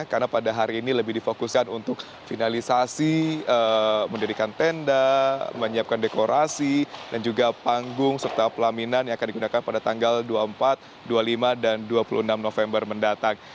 karena pada hari ini lebih difokuskan untuk finalisasi mendirikan tenda menyiapkan dekorasi dan juga panggung serta pelaminan yang akan digunakan pada tanggal dua puluh empat dua puluh lima dan dua puluh enam november mendatang